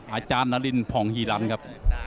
อาจารย์นารินผ่องฮีรันครับ